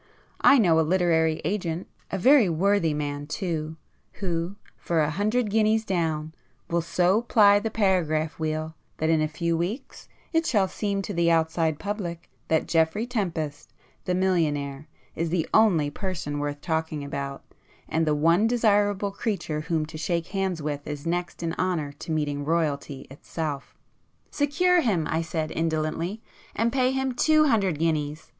I know a 'literary agent,' a very worthy man too, who for a hundred guineas down, will so ply the paragraph wheel that in a few weeks it shall seem to the outside public that Geoffrey Tempest, the millionaire, is the only person worth talking about, and the one desirable creature whom to shake hands with is next in honour to meeting Royalty itself." "Secure him!" I said indolently—"And pay him two hundred guineas!